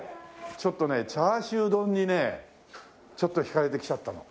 ちょっとねチャーシュー丼にねちょっと惹かれて来ちゃったの。